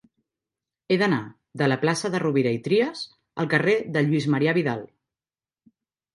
He d'anar de la plaça de Rovira i Trias al carrer de Lluís Marià Vidal.